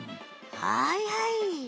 はいはい。